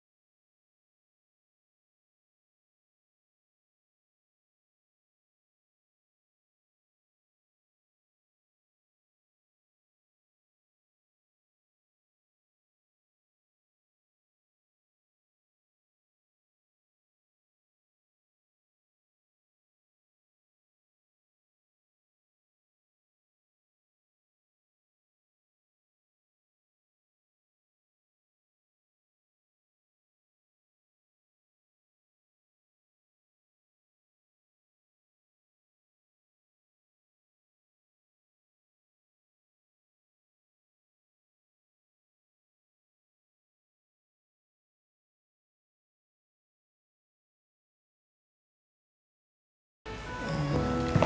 sampai jumpa lagi